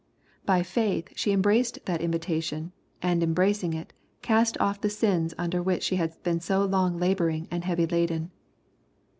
By faith, she embraced that invitation, and embracing it, cast off the sins under which*she had been so long laboring and heavy laden.